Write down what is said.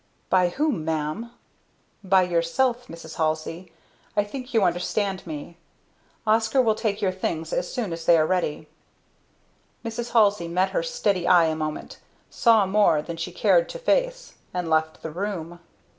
"By whom, Ma'am?" "By yourself, Mrs. Halsey I think you understand me. Oscar will take your things as soon as they are ready." Mrs. Halsey met her steady eye a moment saw more than she cared to face and left the room.